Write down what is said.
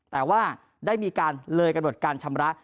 แต่ว่าได้มีการเลยกำหนดการชำระ